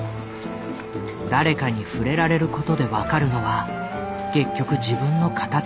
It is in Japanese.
誰かに触れられることで分かるのは結局自分の形なのだと思います。